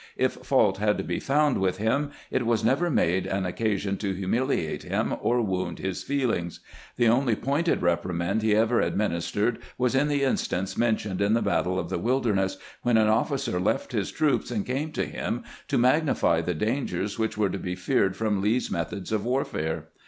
If fault had to be found with him, it was never made an occasion to humiliate him or wound his feehngs. The only pointed reprimand he ever administered was in the instance mentioned in the battle of the "Wilderness, when an officer left his troops and came to him to magnify the dangers which were to be feared from Lee's methods of warfare.